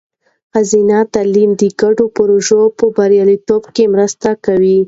ښځینه تعلیم د ګډو پروژو په بریالیتوب کې مرسته کوي.